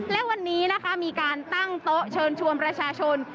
และวันนี้นะคะมีการตั้งโต๊ะเชิญชวนประชาชน